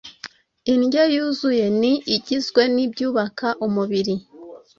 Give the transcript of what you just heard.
indyo yuzuye ni igizwe n’ibyubaka umubiri,